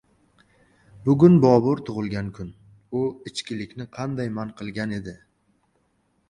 Bugun Bobur tug‘ilgan kun. U ichkilikni qanday man qilgan edi?